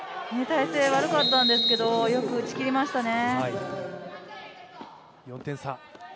体勢悪かったんですけど、よく打ちきりましたね。